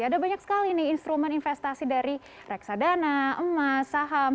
ada banyak sekali nih instrumen investasi dari reksadana emas saham